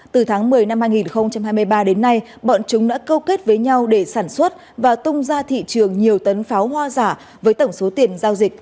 từ tháng một mươi năm hai nghìn hai mươi ba đến nay bọn chúng đã câu kết với nhau để sản xuất và tung ra thị trường nhiều tấn pháo hoa giả với tổng số tiền giao dịch